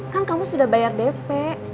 kan kamu sudah bayar dp